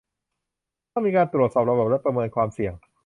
ต้องมีการตรวจสอบระบบ และประเมินความเสี่ยง